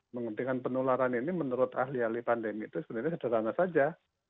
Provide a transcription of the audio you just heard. menghentikan penularan ini menurut ahli ahli pandemi itu sebenarnya sederhana saja